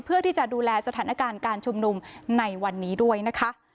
เพื่อที่จะดูแลสถานการณ์การชุมนุมในวันนี้ด้วยนะคะ